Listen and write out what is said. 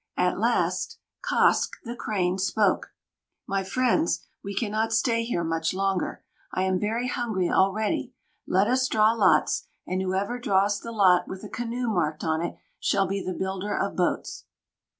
At last "Kosq'," the Crane, spoke: "My friends, we cannot stay here much longer. I am very hungry already. Let us draw lots, and whoever draws the lot with a canoe marked on it shall be the builder of boats."